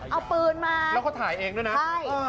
เอาปืนมาแล้วเขาถ่ายเองด้วยนะใช่